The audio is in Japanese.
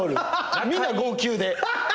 みんな号泣で。